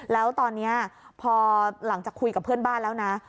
แล้วตอนนี้พอหลังจากคุยกับเพื่อนบ้านแล้วนะ